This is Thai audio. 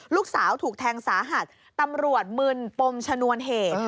ลูกสาวถูกแทงสาหัสตำรวจมึนปมชนวนเหตุ